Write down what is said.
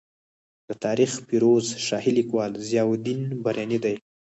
د تاریخ فیروز شاهي لیکوال ضیا الدین برني دی.